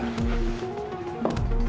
saya udah siap